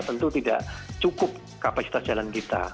tentu tidak cukup kapasitas jalan kita